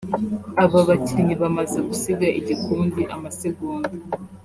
Aba bakinnyi bamaze gusiga igikundi amasegonda (")